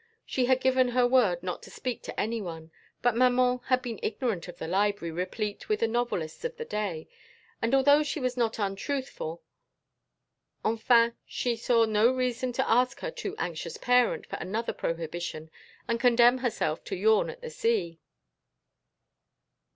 She had given her word not to speak to any one, but maman had been ignorant of the library replete with the novelists of the day, and although she was not untruthful, enfin, she saw no reason to ask her too anxious parent for another prohibition and condemn herself to yawn at the sea.